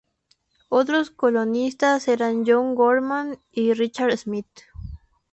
Otros colonialistas eran John Gorham y Richard Smith.